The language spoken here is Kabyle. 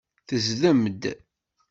Tezdem-d.